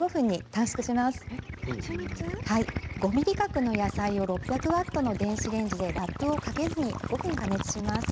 はい５ｍｍ角の野菜を６００ワットの電子レンジでラップをかけずに５分加熱します。